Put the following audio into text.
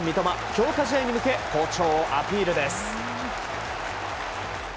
強化試合に向け好調をアピールです。